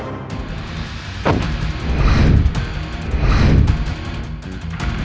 kau tidak bisa mencari hamba